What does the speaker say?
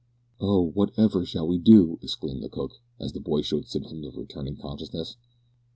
"Oh! what ever shall we do?" exclaimed the cook, as the boy showed symptoms of returning consciousness.